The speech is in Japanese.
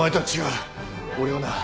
俺はな